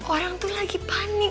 orang tuh lagi panik